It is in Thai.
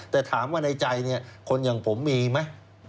แต่ถามว่าในใจเนี่ยคนอย่างผมมีไหม